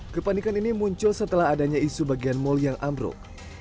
kepanikan ini muncul setelah adanya isu bagian mal yang ambruk